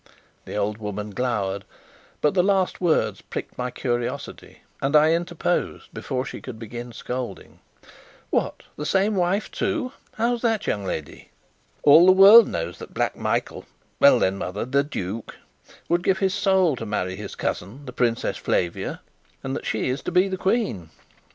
The old woman glowered; but the last words pricked my curiosity, and I interposed before she could begin scolding: "What, the same wife, too! How's that, young lady?" "All the world knows that Black Michael well then, mother, the duke would give his soul to marry his cousin, the Princess Flavia, and that she is to be the queen."